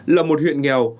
là một huyện nghèo